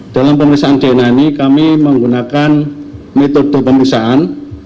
dalam pemeriksaan dna ini kami menggunakan metode pemeriksaan